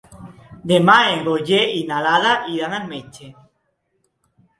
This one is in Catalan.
Demà en Roger i na Lara iran al metge.